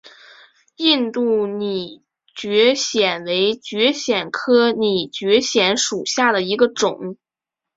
印度拟蕨藓为蕨藓科拟蕨藓属下的一个种。